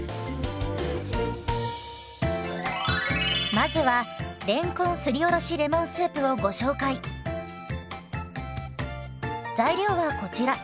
まずは材料はこちら。